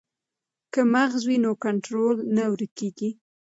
که مغز وي نو کنټرول نه ورکیږي.